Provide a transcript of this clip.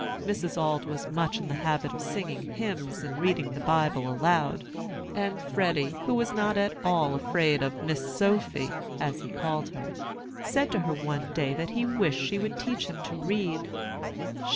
Mrs. Auld was much in the habit of singing hymns and reading the Bible aloud; and Freddy, who was not at all afraid of "Miss Sophy," as he called her, said to her one day that he wished she would teach him to read.